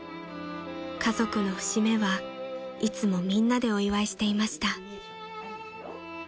［家族の節目はいつもみんなでお祝いしていました］